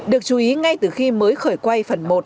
được chú ý ngay từ khi mới khởi quay phần một